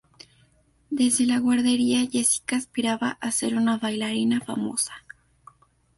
Desde la guardería, Jessica aspiraba a ser una bailarina famosa.